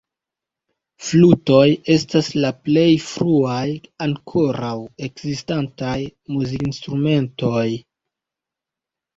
Flutoj estas la plej fruaj ankoraŭ ekzistantaj muzikinstrumentoj.